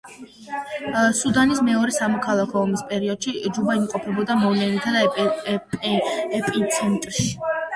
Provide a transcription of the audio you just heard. სუდანის მეორე სამოქალაქო ომის პერიოდში ჯუბა იმყოფებოდა მოვლენათა ეპიცენტრში.